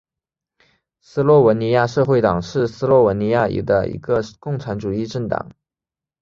斯洛文尼亚社会党是斯洛文尼亚的一个共产主义政党。